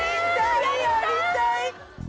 やりたい！